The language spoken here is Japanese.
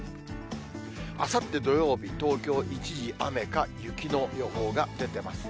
あさって土曜日、東京、一時雨か雪の予報が出てますね。